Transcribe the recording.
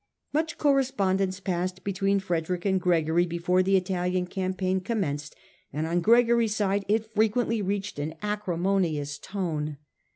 Much correspondence passed between Frederick and Gregory before the Italian campaign commenced, and on Gregory's side it frequently reached an acrimonious tone.